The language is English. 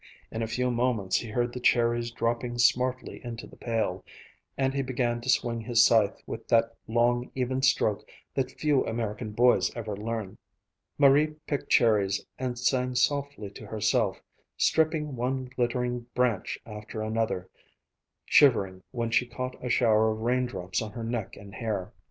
In a few moments he heard the cherries dropping smartly into the pail, and he began to swing his scythe with that long, even stroke that few American boys ever learn. Marie picked cherries and sang softly to herself, stripping one glittering branch after another, shivering when she caught a shower of raindrops on her neck and hair.